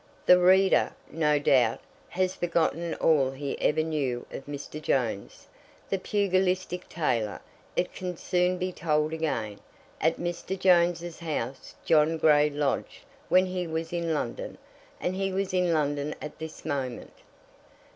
The reader, no doubt, has forgotten all he ever knew of Mr. Jones, the pugilistic tailor. It can soon be told again. At Mr. Jones's house John Grey lodged when he was in London, and he was in London at this moment.